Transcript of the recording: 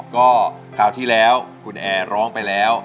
ก็คราวที่แล้วคุณแอร์ร้องไปแล้ว